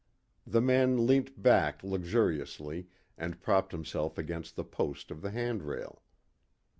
The man leant back luxuriously and propped himself against the post of the hand rail.